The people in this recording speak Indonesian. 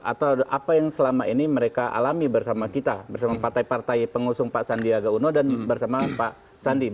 atau apa yang selama ini mereka alami bersama kita bersama partai partai pengusung pak sandiaga uno dan bersama pak sandi